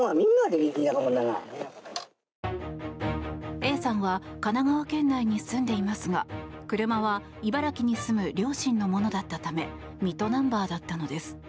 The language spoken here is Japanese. Ａさんは神奈川県内に住んでいますが車は茨城に住む両親のものだったため水戸ナンバーだったのです。